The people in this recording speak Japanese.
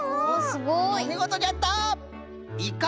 おみごとじゃった！